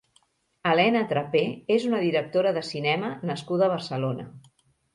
Elena Trapé és una directora de cinema nascuda a Barcelona.